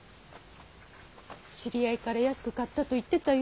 知り合いから安く買ったと言ってたよ。